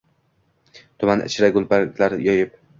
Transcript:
Tuman ichra gulbarglar yoyib